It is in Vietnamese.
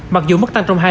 mặc dù mức tăng trong tháng